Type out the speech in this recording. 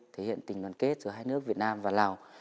thể hiện tình đoàn kết giữa hai nước việt nam và lào